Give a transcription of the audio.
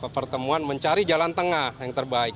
pertemuan mencari jalan tengah yang terbaik